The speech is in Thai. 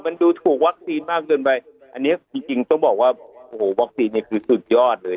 มันดูถูกวัคซีนมากเกินไปอันนี้จริงจริงต้องบอกว่าโอ้โหวัคซีนเนี่ยคือสุดยอดเลย